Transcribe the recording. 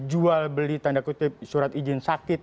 jual beli tanda kutip surat izin sakit